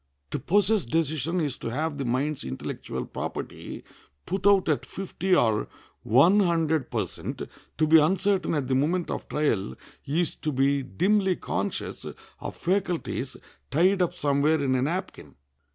To possess decision is to have the mind's intellectual property put out at fifty or one hundred per cent; to be uncertain at the moment of trial is to be dimly conscious of faculties tied up somewhere in a napkin.